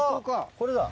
これだ。